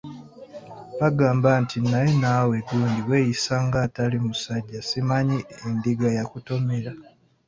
Babagamba nti,"Naye naawe gundi weeyisa ng'atali musajja, simanyi endiga yakutomera?